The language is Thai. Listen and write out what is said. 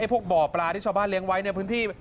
พวกบ่อปลาที่ชาวบ้านเลี้ยงไว้ในพื้นที่